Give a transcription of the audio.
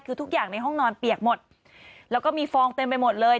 คือทุกอย่างในห้องนอนเปียกหมดแล้วก็มีฟองเต็มไปหมดเลย